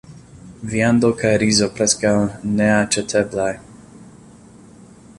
Viando kaj rizo preskaŭ neaĉeteblaj.